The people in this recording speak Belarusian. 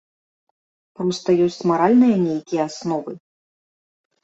Проста ёсць маральныя нейкія асновы.